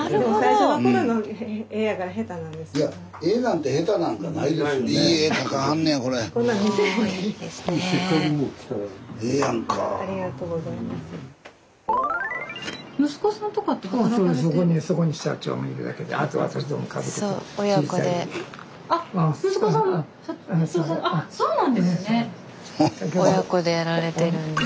スタジオ親子でやられてるんですよ。